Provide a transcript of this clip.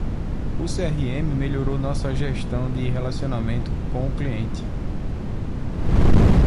O CRM melhorou nossa gestão de relacionamento com clientes.